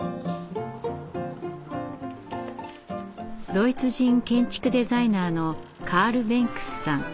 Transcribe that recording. ドイツ人建築デザイナーのカール・ベンクスさん。